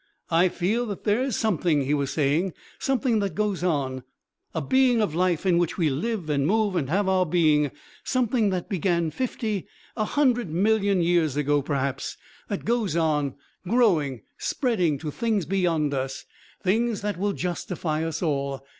"I feel that there is something," he was saying, "something that goes on, a Being of Life in which we live and move and have our being, something that began fifty a hundred million years ago, perhaps, that goes on on: growing, spreading, to things beyond us things that will justify us all....